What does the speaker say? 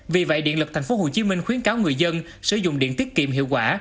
vì vậy điện lực tp hcm khuyến cáo người dân sử dụng điện tiết kiệm hiệu quả